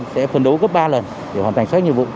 sẽ phần đấu gấp ba lần để hoàn thành các nhiệm vụ